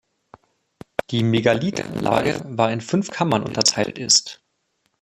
Die Megalithanlage war in fünf Kammern unterteilt ist.